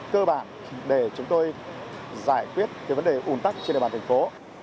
cơ bản để chúng tôi giải quyết vấn đề un tắc trên đài bản thành phố